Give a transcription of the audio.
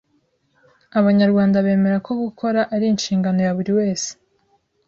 Abanyarwanda bemera ko gukora ari inshingano ya buri wese